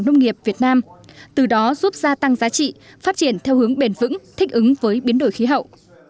nông nghiệp việt nam từ đó giúp gia tăng giá trị phát triển theo hướng bền vững thích ứng với biến đổi khí hậu